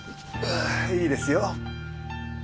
いいですよ。